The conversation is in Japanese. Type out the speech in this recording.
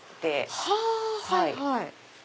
はいはい。